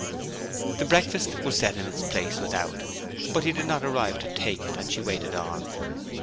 The breakfast was set in its place without. But he did not arrive to take it; and she waited on.